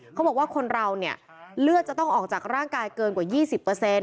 เขาบอกว่าคนเราเนี่ยเลือดจะต้องออกจากร่างกายเกินกว่า๒๐